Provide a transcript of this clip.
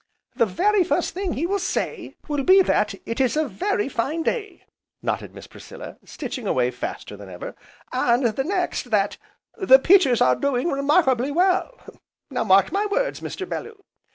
"The very first thing he will say will be that 'it is a very fine day,'" nodded Miss Priscilla, stitching away faster than ever, "and the next, that 'the peaches are doing remarkably well,' now mark my words, Mr. Bellew."